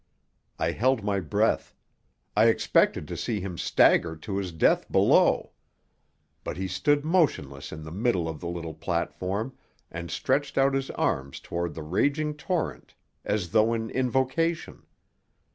I held my breath. I expected to see him stagger to his death below. But he stood motionless in the middle of the little platform and stretched out his arms toward the raging torrent, as though in invocation.